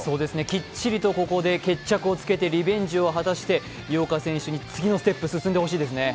きっちりとここで決着をつけてリベンジを果たして井岡選手に次のステップに進んでほしいですね。